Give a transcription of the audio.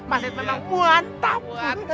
mas syahid memang muantap